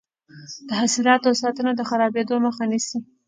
د حاصلاتو ساتنه د خرابیدو مخه نیسي.